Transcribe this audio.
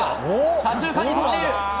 左中間に飛んでいる！